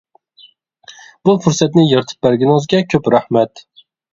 بۇ پۇرسەتنى يارىتىپ بەرگىنىڭىزگە كۆپ رەھمەت!